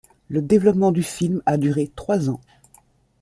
Le développement du film a duré trois ans.